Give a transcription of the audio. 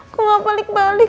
kok gak balik balik